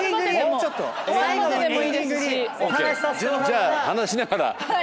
じゃあ話しながら。